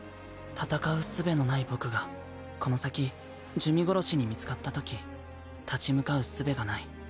戦うすべのない僕がこの先珠魅殺しに見つかったとき立ち向かうすべがない。